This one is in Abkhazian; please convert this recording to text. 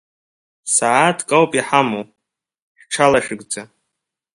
Сааҭк ауп иҳамоу, шәҽалашәыгӡа.